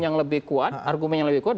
yang lebih kuat argumen yang lebih kuat